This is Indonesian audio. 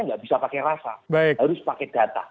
nggak bisa pakai rasa harus pakai data